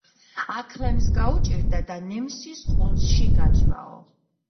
აქლემს გაუჭირდა და ნემსის ყუნწში გაძვრაო